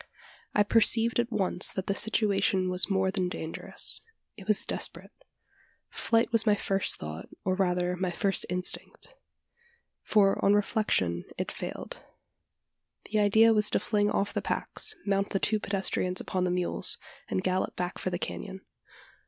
I perceived at once that the situation was more than dangerous: it was desperate. Flight was my first thought, or rather my first instinct: for, on reflection, it failed. The idea was to fling off the packs, mount the two pedestrians upon the mules, and gallop back for the canon.